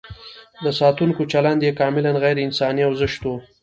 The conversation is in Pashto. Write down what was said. د ساتونکو چلند یې کاملاً غیر انساني او زشت و.